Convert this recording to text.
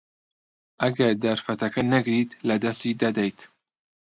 ئەگەر دەرفەتەکە نەگریت، لەدەستی دەدەیت.